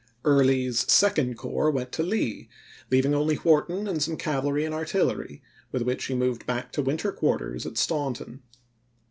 Early's Second Corps went to Lee, leaving only Wharton and some cavalry and artillery, with which he moved back to winter quarters at Staunton.